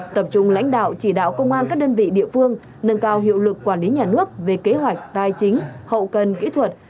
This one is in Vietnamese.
tập trung lãnh đạo chỉ đạo công an các đơn vị địa phương nâng cao hiệu lực quản lý nhà nước về kế hoạch tài chính hậu cần kỹ thuật